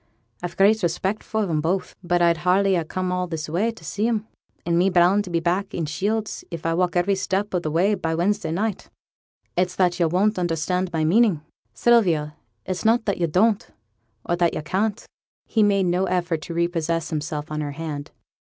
I've a great respect for 'em both; but I'd hardly ha' come all this way for to see 'em, and me bound to be back i' Shields, if I walk every step of the way, by Wednesday night. It's that yo' won't understand my meaning, Sylvia; it's not that yo' don't, or that yo' can't.' He made no effort to repossess himself of her hand.